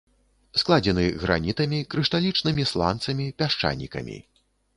Складзены гранітамі, крышталічнымі сланцамі, пясчанікамі.